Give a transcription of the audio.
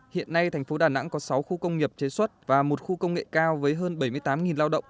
hiện nay thành phố đà nẵng có sáu khu công nghiệp chế xuất và một khu công nghệ cao với hơn bảy mươi tám lao động